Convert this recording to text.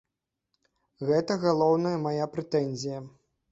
Гэта галоўная мая прэтэнзія.